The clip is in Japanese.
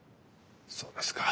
そうですか。